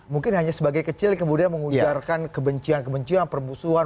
mungkin hanya sebagai kecil yang kemudian mengujarkan kebencian kebencian permusuhan